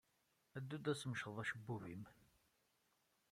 Ddu ad tmecḍed acebbub-nnem.